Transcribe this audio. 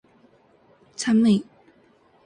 寒い